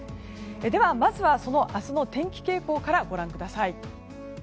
では、まずはその明日の天気傾向からご覧ください。